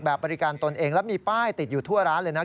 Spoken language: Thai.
บริการตนเองแล้วมีป้ายติดอยู่ทั่วร้านเลยนะ